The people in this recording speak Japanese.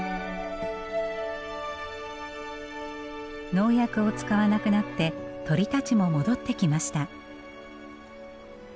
農薬を使わなくなって鳥たちも戻ってきました。